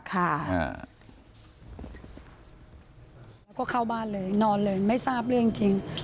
แล้วก็เข้าบ้านเลยนอนเลยไม่ทราบเรื่องจริง